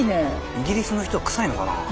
イギリスの人はくさいのかな？